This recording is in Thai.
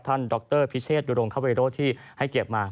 ท่านดรพิเชษฐุรงค์คาเวโรที่ให้เก็บมา